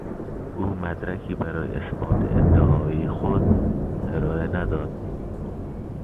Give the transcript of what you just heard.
او مدرکی برای اثبات ادعاهای خود ارائه نداد.